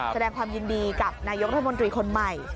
แสดงความยินดีกับนายกรัฐมนตรีคนใหม่